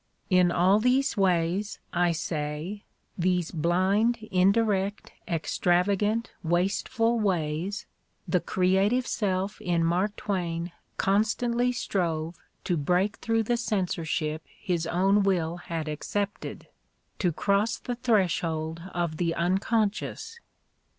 In all these ways, I say, these blind, indirect, extrava gant, wasteful ways, the creative self in Mark Twain constantly strove to break through the censorship his own will had accepted, to cross the threshold of the unconscious.